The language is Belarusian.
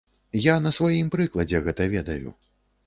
Я на сваім прыкладзе гэта ведаю.